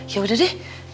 ya udah deh